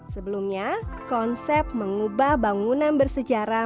sebelumnya konsep mengubah bangunan bersejarah